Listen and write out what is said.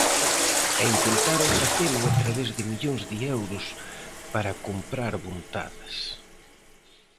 E intentaron facelo a través de millóns de euros para comprar vontades.